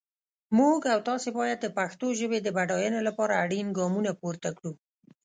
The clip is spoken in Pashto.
موږ او تاسي باید د پښتو ژپې د بډاینې لپاره اړین ګامونه پورته کړو.